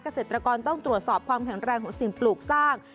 เกษตรกรต้องตรวจสอบความแข็งแรงของสิ่งปลูกสร้าง